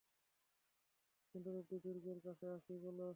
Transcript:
কোন্ডারেড্ডি দুর্গের কাছে আছি, বলো।